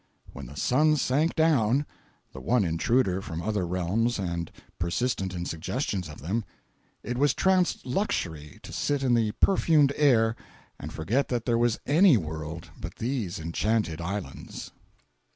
When the sun sunk down—the one intruder from other realms and persistent in suggestions of them—it was tranced luxury to sit in the perfumed air and forget that there was any world but these enchanted islands.